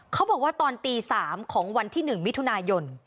เขาบอกว่าตอนตี๓ของวันที่๑มิถุนายน